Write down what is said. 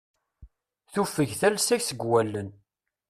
Tuffeg talsa seg wulawen.